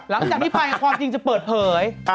หลังจากนี้ไปความจริงจะเปิดเผย